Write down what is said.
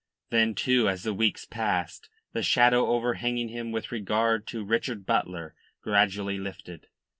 Then, too, as the weeks passed, the shadow overhanging him with regard to Richard Butler gradually lifted.